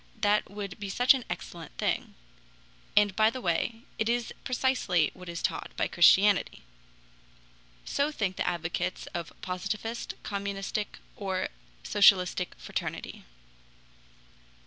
That would be such an excellent thing. And by the way, it is precisely what is taught by Christianity." So think the advocates of Positivist, Communistic, or Socialistic fraternity.